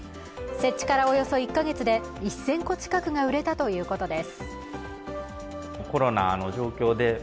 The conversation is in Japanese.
設置からおよそ１カ月で１０００個近くが売れたということです。